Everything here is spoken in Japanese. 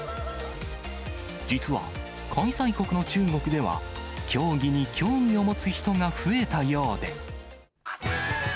実は、開催国の中国では、競技に興味を持つ人が増えたようで。